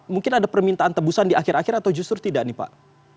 mungkin ada permintaan tebusan di akhir akhir atau justru tidak nih pak